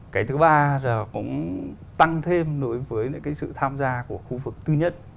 cái thứ ba là cũng tăng thêm đối với cái sự tham gia của khu vực tư nhất